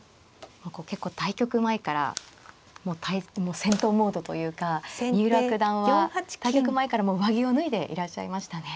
もうこう結構対局前からもう戦闘モードというか三浦九段は対局前からもう上着を脱いでいらっしゃいましたね。